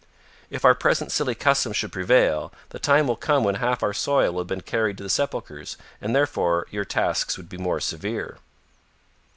"If our present silly customs should prevail, the time will come when half our soil will have been carried to the sepulchers, and therefore your tasks would be more severe."